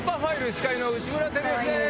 司会の内村光良です